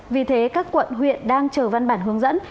vì thế các quận huyện đang chờ văn bản hướng dẫn